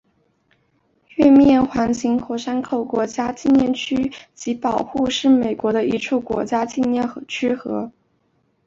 月面环形火山口国家纪念区及保护区是美国的一处国家纪念区和。